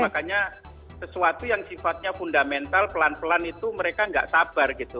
jadi makanya sesuatu yang sifatnya fundamental pelan pelan itu mereka gak sabar gitu